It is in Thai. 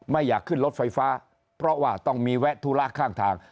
อยากขึ้นรถไฟฟ้าเพราะว่าต้องมีแวะธุระข้างทาง